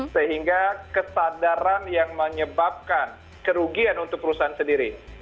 sehingga kesadaran yang menyebabkan kerugian untuk perusahaan sendiri